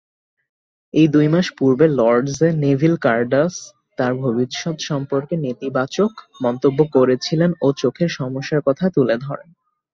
এর দুই মাস পূর্বে লর্ডসে নেভিল কারদাস তার ভবিষ্যৎ সম্পর্কে নেতিবাচক মন্তব্য করেছিলেন ও চোখের সমস্যার কথা তুলে ধরেন।